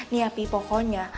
nih ya pih pokoknya